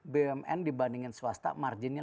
bumn dibandingin swasta marginnya